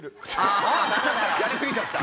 やりすぎちゃった。